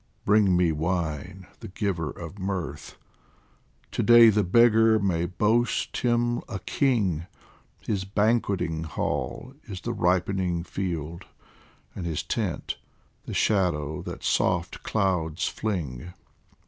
bring me wine, the giver of mirth ! To day the beggar may boast him a king, His banqueting hall is the ripening field, And his tent the shadow that soft clouds fling.